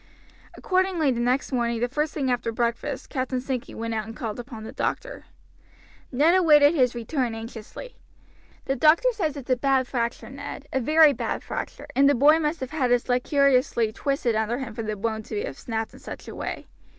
Accordingly, the next morning, the first thing after breakfast, Captain Sankey went out and called upon the doctor. Ned awaited his return anxiously. "The doctor says it's a bad fracture, Ned, a very bad fracture, and the boy must have had his leg curiously twisted under him for the bone to have snapped in such a way.